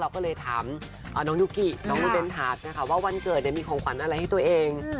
ก็เลยถามน้องยุกิน้องเบนทาร์ดนะคะว่าวันเกิดมีของขวัญอะไรให้ตัวเอง